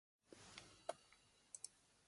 此处贡献的语句将被添加到采用许可证的公开数据集中。